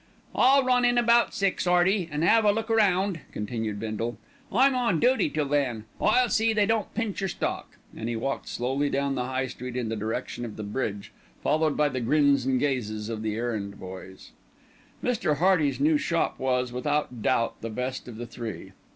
"I'll run in about six, 'Earty, and 'ave a look round," continued Bindle. "I'm on dooty till then. I'll see they don't pinch your stock," and he walked slowly down the High Street in the direction of the bridge, followed by the grins and gazes of the errand boys. Mr. Hearty's new shop was, without doubt, the best of the three.